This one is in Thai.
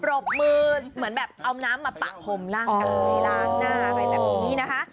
รบมือเหมือนแบบเอาน้ำมาปะพรมร่างกายล้างหน้าอะไรแบบนี้นะคะ